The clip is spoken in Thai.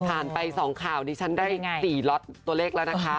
ไป๒ข่าวดิฉันได้๔ล็อตตัวเลขแล้วนะคะ